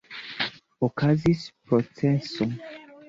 Okazis proceso.